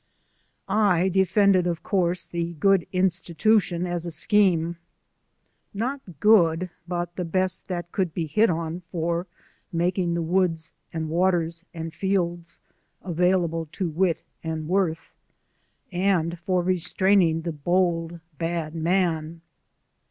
I defended, of course, the good institution as a scheme, not good, but the best that could be hit on for making the woods and waters and fields available to wit and worth, and for restraining the bold, bad man.